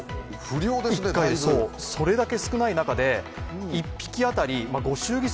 それだけ少ない中で１匹当たりご祝儀